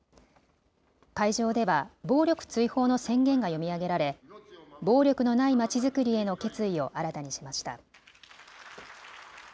会場では暴力追放の宣言が読み上げられ暴力のないまちづくりへの決意を新たにしました。